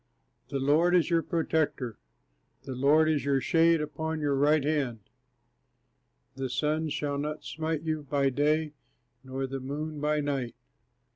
The Lord is your protector; the Lord is your shade upon your right hand; The sun shall not smite you by day, nor the moon by night!